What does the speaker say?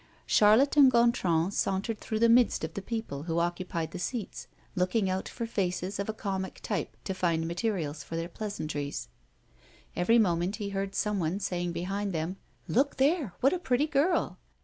Charlotte and Gontran sauntered through the midst of the people who occupied the seats, looking out for faces of a comic type to find materials for their pleasantries. Every moment he heard some one saying behind them: "Look there! what a pretty girl!"